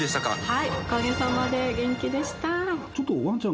はい。